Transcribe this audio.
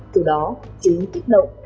từ đó chúng kích động